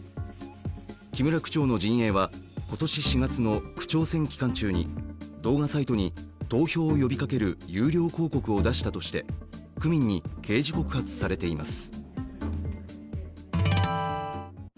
木村区長の陣営は今年４月の区長選期間中に動画サイトに投票を呼びかける有料広告を出したとして区民に刑事告発されています。